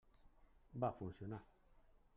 Va funcionar.